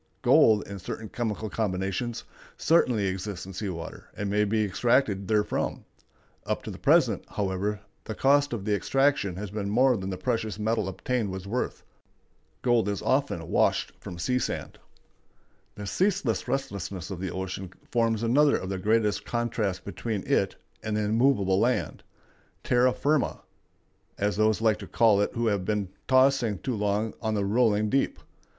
Gold, in certain chemical combinations, certainly exists in sea water, and may be extracted therefrom. Up to the present, however, the cost of the extraction has been more than the precious metal obtained was worth. Gold is often washed from sea sand. [Illustration: A FIORD, OR DEEP CREVICE WORN IN SEA CLIFFS.] The ceaseless restlessness of the ocean forms another of the greatest contrasts between it and the immovable land—terra firma, as those like to call it who have been tossing too long on the "rolling deep".